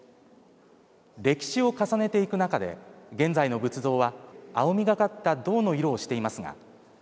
歴史を重ねていく中で現在の仏像は青みがかった銅の色をしていますが飛鳥時代に作られた時の色を